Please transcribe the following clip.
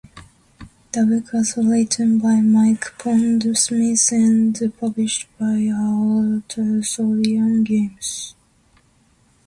The book was written by Mike Pondsmith and published by R. Talsorian Games.